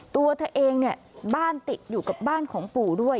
ตัวเธอเองเนี่ยบ้านติดอยู่กับบ้านของปู่ด้วย